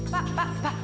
pak pak pak